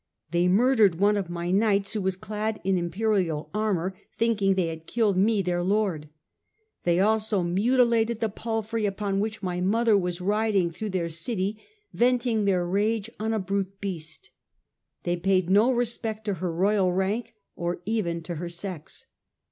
" They murdered one of my knights who was clad in Imperial armour, thinking they had killed me their Lord. They also mutilated the palfrey upon which my mother was riding through their city, venting their rage on a brute beast : they paid no respect to her Royal rank or even to her sex."